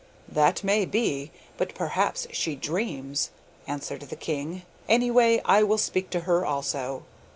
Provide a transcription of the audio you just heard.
'That may be, but perhaps she dreams,' answered the king. 'Anyway, I will speak to her also.